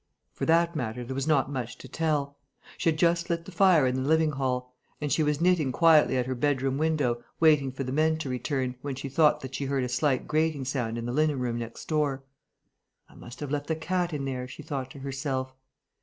For that matter, there was not much to tell. She had just lit the fire in the living hall; and she was knitting quietly at her bedroom window, waiting for the men to return, when she thought that she heard a slight grating sound in the linen room next door: "I must have left the cat in there," she thought to herself.